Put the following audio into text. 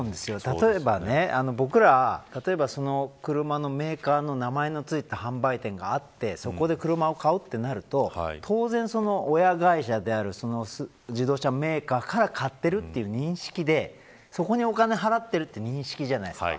例えば、僕ら車のメーカーの名前のついた販売店があってそこで車を買おうとなると当然その親会社である自動車メーカーから買っているという認識でそこにお金を払っている認識じゃないですか。